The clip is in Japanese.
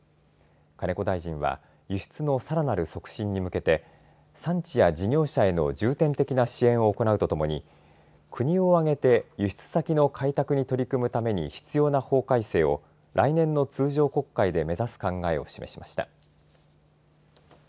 金子大臣は輸出のさらなる促進に向けて産地や事業者への重点的な支援を行うとともに国を挙げて輸出先の開拓に取り組むために必要な法改正を来年の通常国会で目指す考えを示しました。